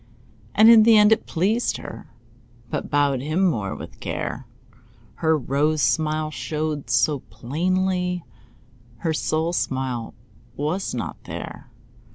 And in the end it pleased her, But bowed him more with care. Her rose smile showed so plainly, Her soul smile was not there.